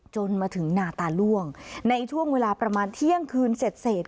จนมาถึงนาตาล่วงในช่วงเวลาประมาณเที่ยงคืนเสร็จ